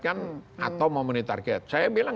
kan atau memenuhi target saya bilang